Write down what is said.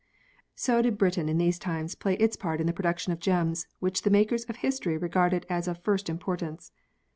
So did Britain in these times play its part in the production of gems, which the makers of history regarded as of first importance.